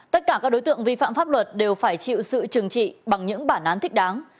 tất cả các đối tượng vi phạm pháp luật đều phải chịu sự trừng trị bằng những bản án thích đáng